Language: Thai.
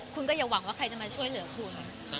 คุณก็อย่าหวังว่าใครจะมาช่วยเหลือคุณ